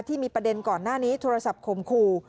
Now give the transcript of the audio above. ที่มีประเด็นก่อนหน้านี้โทรศัพท์ข่มขู่